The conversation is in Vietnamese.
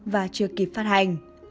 và chưa kịp phát hành